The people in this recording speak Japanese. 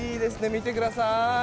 見てください！